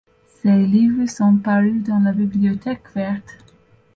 Ces livres sont parus dans la Bibliothèque verte.